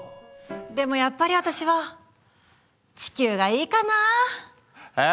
でもやっぱり私は地球がいいかな。え？